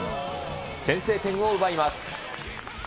先制点を奪います。